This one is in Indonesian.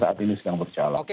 saat ini sedang berjalan